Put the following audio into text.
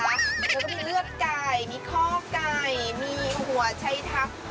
มันก็มีเลือดไก่มีข้อกไก่มีหัวไชทัก